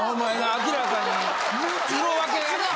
明らかに色分けがな。